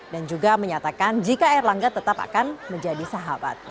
dan juga menyatakan jika erlangga tetap akan menjadi sahabatnya